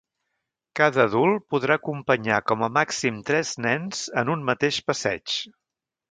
Cada adult podrà acompanyar com a màxim tres nens en un mateix passeig.